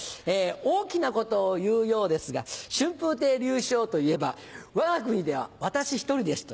「大きなことを言うようですが春風亭柳昇といえばわが国では私１人です」。